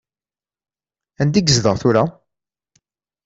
Anda i yezdeɣ tura?